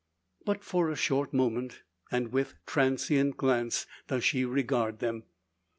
But for a short moment, and with transient glance, does she regard them.